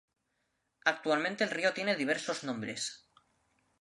Actualmente el río tiene diversos nombres.